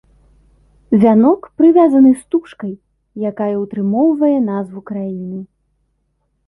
Вянок прывязаны стужкай, якая ўтрымоўвае назву краіны.